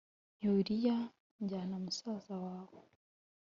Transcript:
yuliya, jyana musaza wawe